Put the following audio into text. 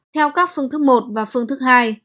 theo các phương thức một và phương thức hai